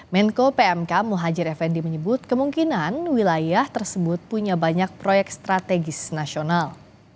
menko pmk muhajir effendi menyebut kemungkinan wilayah tersebut punya banyak proyek strategis nasional